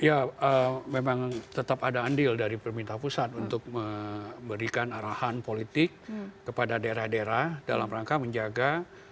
ya memang tetap ada andil dari pemerintah pusat untuk memberikan arahan politik kepada daerah daerah dalam rangka menjaga